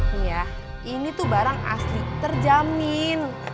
ini ya ini tuh barang asli terjamin